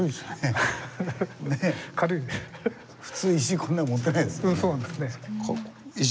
普通石こんな持てないですよね。